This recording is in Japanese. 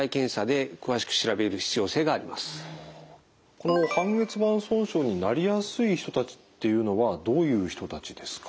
この半月板損傷になりやすい人たちっていうのはどういう人たちですか？